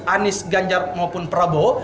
anies ganjar maupun prabowo